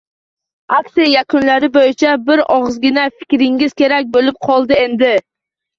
Aksiya yakunlari boʻyicha bir ogʻizgina fikringiz kerak boʻlib qoldi endi.